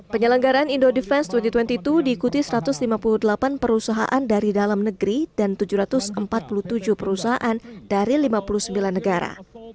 penyelenggaraan indo defense dua ribu dua puluh dua diikuti satu ratus lima puluh delapan perusahaan dari dalam negeri dan tujuh ratus empat puluh tujuh perusahaan dari lima puluh sembilan negara